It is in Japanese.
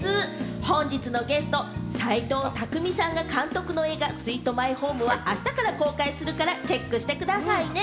本日のゲスト・齊藤工さんが監督の映画『スイート・マイホーム』は明日から公開するからチェックしてくださいね。